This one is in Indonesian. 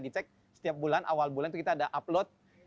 dicek setiap bulan awal bulan itu kita ada upload